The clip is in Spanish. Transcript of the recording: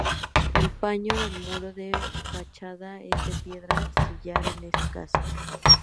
El paño del muro de fachada es de piedra sillar en este caso.